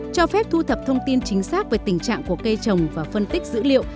cho phép thu thập thông tin chính xác về tình trạng của cây trồng và phân tích dữ liệu